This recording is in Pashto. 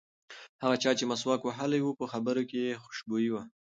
هغه چا چې مسواک وهلی و په خبرو کې یې خوشبويي وه.